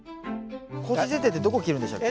更新剪定ってどこ切るんでしたっけ？